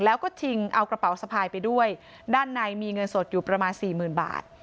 แล้วก็ชิงเอากระเป๋าสะพายไปด้วยด้านในมีเงินสดอยู่ประมาณสี่หมื่นบาท